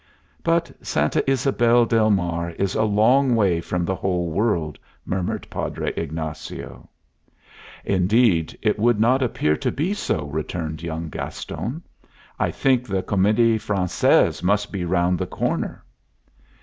"But Santa Ysabel del Mar is a long way from the whole world," murmured Padre Ignacio. "Indeed, it would not appear to be so," returned young Gaston. "I think the Comedie Francaise must be round the corner."